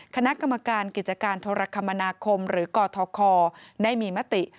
คณะกรรมการกิจการโทรคมนาคมหรือกทคได้มีมติ